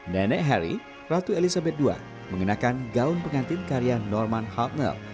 nenek harry ratu elizabeth ii mengenakan gaun pengantin karya norman hartnel